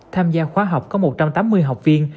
tham gia khóa học có một trăm tám mươi học viên